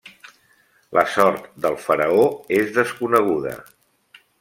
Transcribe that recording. La sort del faraó és desconeguda.